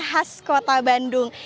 khas kota bandung